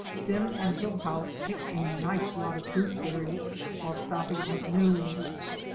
Sim and Hillhouse picked a nice lot of gooseberries while stop ping at noon.